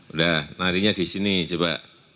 udah nari nya di sini coba